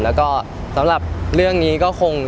แล้วก็สำหรับเรื่องนี้ก็คง